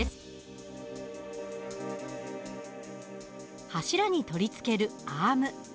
柱に取り付けるアーム。